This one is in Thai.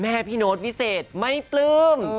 พี่โน๊ตวิเศษไม่ปลื้ม